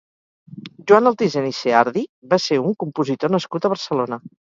Joan Altisent i Ceardi va ser un compositor nascut a Barcelona.